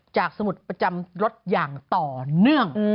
สมุดประจำรถอย่างต่อเนื่อง